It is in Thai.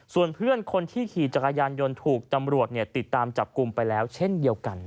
ส่วนเพื่อนคนที่ขี่จักรยานยนต์ถูกตำรวจติดตามจับกลุ่มไปแล้วเช่นเดียวกัน